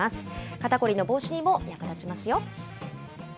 肩凝りの防止にも役立ちますよ。